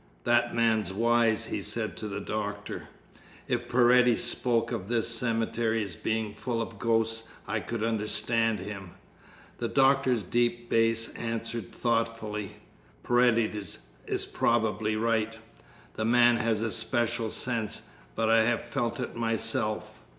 "That man's wise," he said to the doctor. "If Paredes spoke of this cemetery as being full of ghosts I could understand him." The doctor's deep bass answered thoughtfully: "Paredes is probably right. The man has a special sense, but I have felt it myself.